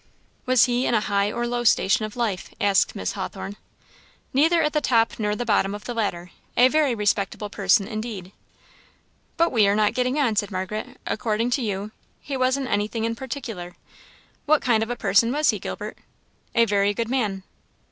"Was he in a high or low station of life?" asked Miss Hawthorn. "Neither at the top nor the bottom of the ladder a very respectable person indeed." "But we are not getting on," said Margaret. "According to you, he wasn't anything in particular; what kind of a person was he, Gilbert?" "A very good man."